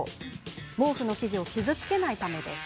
毛布の生地を傷つけないためです。